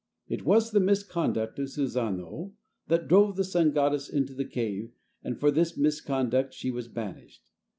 It was the misconduct of Susanoo that drove the sun goddess into the cave and for this misconduct he was banished.